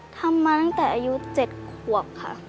ทำมาตั้งแต่อายุ๗ขวบค่ะ